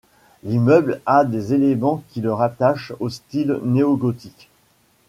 L'immeuble a des éléments qui le rattache au style néogothique.